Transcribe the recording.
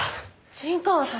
陣川さん。